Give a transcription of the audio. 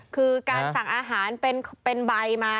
คือการสั่งอาหารเป็นใบมา